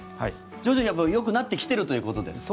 徐々によくなってきているということですか。